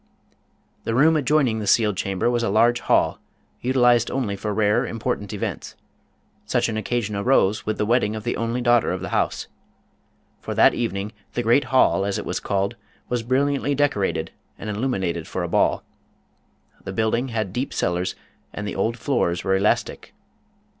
The room adjoining the sealed chamber was a large hall, utilized only for rare important events. Such an occasion arose with the wedding of the only daughter of the house. For that evening the great hall, as it was called, was bril liantly decorated and illuminated for a ball. The building had deep cellars and the old floors were elastic.